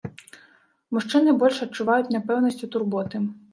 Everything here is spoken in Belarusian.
Мужчыны больш адчуваюць няпэўнасць і турботы.